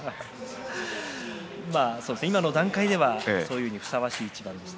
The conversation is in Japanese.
今の段階ではそう呼ぶのにふさわしい一番でした。